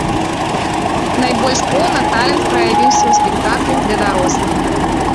Найбольш поўна талент праявіўся ў спектаклях для дарослых.